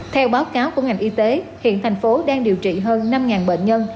theo báo cáo của ngành y tế hiện thành phố đang điều trị hơn năm bệnh nhân